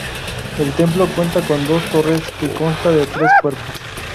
El templo cuenta con dos torres, que constan de tres cuerpos.